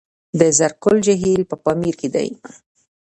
د زرکول جهیل په پامیر کې دی